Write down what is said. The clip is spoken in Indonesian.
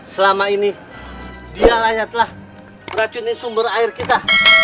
selama ini dia lah yang telah meracunin sumber air kita